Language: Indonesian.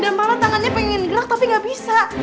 dan malah tangannya pengen gelak tapi gak bisa